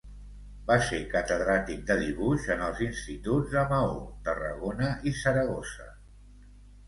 Va ser catedràtic de dibuix en els instituts de Maó, Tarragona i Saragossa.